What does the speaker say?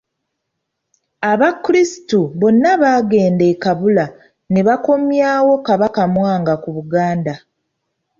Abakristu bonnaabaagenda e Kabula ne bakomyawo Kabaka Mwanga ku Buganda.